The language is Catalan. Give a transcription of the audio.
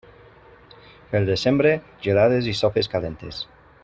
Pel desembre, gelades i sopes calentes.